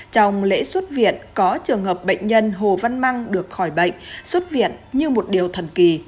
trong lễ xuất viện có trường hợp bệnh nhân hồ văn măng được khỏi bệnh xuất viện như một điều thần kỳ